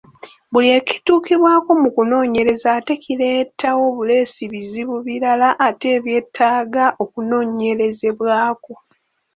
Buli ekituukibwako mu kunoonyereza ate kireetawo buleesi bizibu birala ate ebyetaaga okunoonyerezebwako.